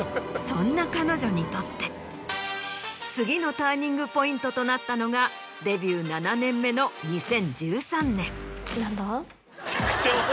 そんな彼女にとって次のターニングポイントとなったのがデビュー７年目の２０１３年。